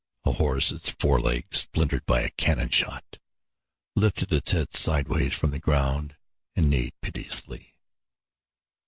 A horse, its foreleg splintered by a cannon shot, lifted its head sidewise from the ground and neighed piteously.